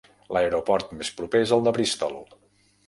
L'aeroport més proper és el de Bristol.